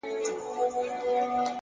جلوه مخې په اوو فکرو کي ډوب کړم!!